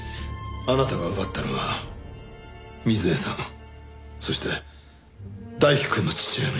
あなたが奪ったのは瑞江さんそして大樹くんの父親の命です。